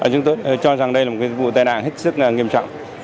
chúng tôi cho rằng đây là một vụ tai nạn hết sức nghiêm trọng